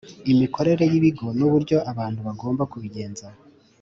imikorere y ibigo n uburyo abantu bagomba kubigenza